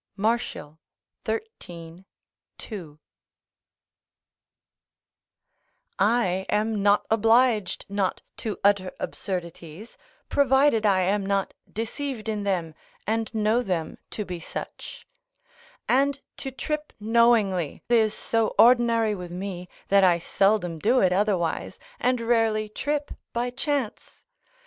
Mart., xiii. 2.] I am not obliged not to utter absurdities, provided I am not deceived in them and know them to be such: and to trip knowingly, is so ordinary with me, that I seldom do it otherwise, and rarely trip by chance.